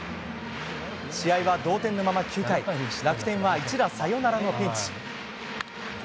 試合は同点のまま９回楽天は一打サヨナラのピンチ。